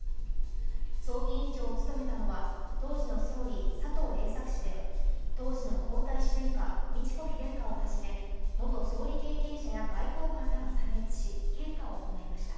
葬儀委員長を務めたのは当時の総理・佐藤栄作氏で当時の皇太子殿下、美智子妃殿下を初め、元総理経験者や外交官らが参列し、献花を行いました。